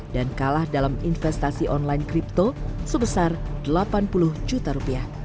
dan kalah dalam investasi online kripto sebesar delapan puluh juta rupiah